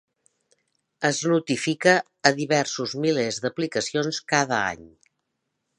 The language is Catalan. Es notifica a diversos milers d'aplicacions cada any.